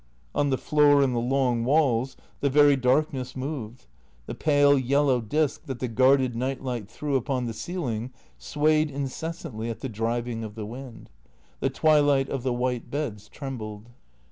On the floor and the long walls the very darkness moved. The pale yellow disc that the guarded nightlight threw upon the ceiling swayed incessantly at the driving of the wind. The twilight of the white beds trembled.